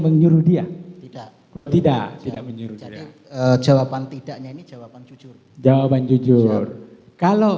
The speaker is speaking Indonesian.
menyuruh dia tidak tidak menyuruh jadi jawaban tidaknya ini jawaban jujur jawaban jujur kalau